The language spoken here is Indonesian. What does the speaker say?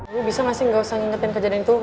lu bisa gak sih gak usah ngingetin kejadian itu